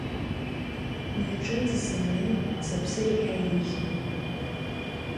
Уи аҿынӡа саннеи, сыԥсыр еиҳа еиӷьми.